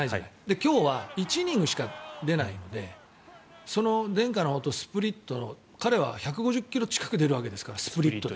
今日は１イニングしか出ないのでその伝家の宝刀スプリットも彼は１５０ｋｍ近く出るわけですからスプリットで。